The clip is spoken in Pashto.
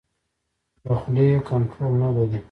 د خولې کنټرول نه لري.